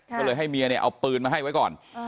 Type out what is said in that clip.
ก็เลยให้เมียเนี่ยเอาปืนมาให้ไว้ก่อน